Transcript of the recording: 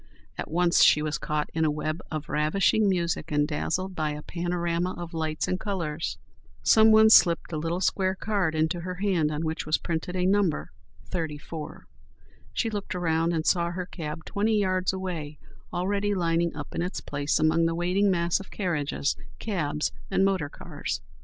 At once she was caught in a web of ravishing music and dazzled by a panorama of lights and colours. Some one slipped a little square card into her hand on which was printed a number—34. She looked around and saw her cab twenty yards away already lining up in its place among the waiting mass of carriages, cabs and motor cars.